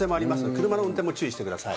車の運転も注意してください。